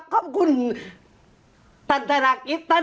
ที่คำว่ายุติธรรมเนี๊ยะถูกต้องที่สุดแล้วอ่ะ